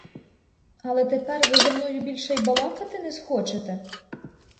Але тепер ви зо мною більше й балакати не схочете?